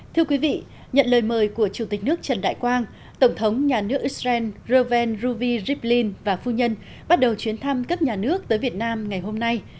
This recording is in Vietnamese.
thưa quý vị nhận lời mời của chủ tịch nước trần đại quang tổng thống nhà nước israel reuven ruvi rivlin và phu nhân bắt đầu chuyến thăm các nhà nước tới việt nam ngày hôm nay